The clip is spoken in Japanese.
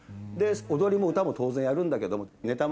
踊りも歌も当然やるんだけども。